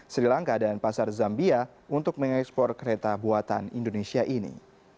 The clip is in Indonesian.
sri lanka dan pasar zambia untuk mengekspor kereta buatan indonesia ini